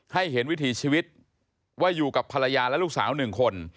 ให้เห็นวิถีชีวิตว่าอยู่กับภรรยาและลูกสาว๑คน